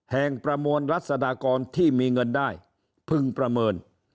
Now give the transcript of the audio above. ประมวลรัศดากรที่มีเงินได้พึงประเมิน